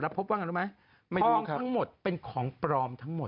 พบว่าไงรู้ไหมทองทั้งหมดเป็นของปลอมทั้งหมด